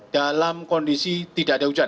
dalam kondisi tidak ada hujan